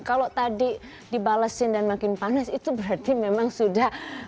kalau tadi dibalesin dan makin panas itu berarti memang sudah